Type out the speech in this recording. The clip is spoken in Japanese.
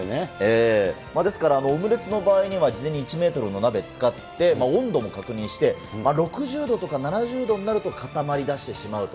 ですから、オムレツの場合には、事前に１メートルの鍋を使って、温度も確認して、６０度とか７０度になると固まりだしてしまうと。